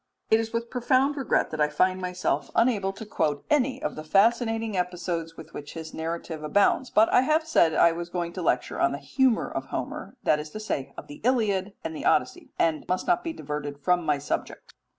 It is with profound regret that I find myself unable to quote any of the fascinating episodes with which his narrative abounds, but I have said I was going to lecture on the humour of Homer that is to say of the Iliad and the Odyssey and must not be diverted from my subject.